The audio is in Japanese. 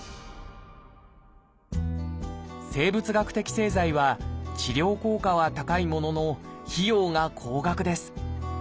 生物学的製剤は治療効果は高いものの費用が高額です。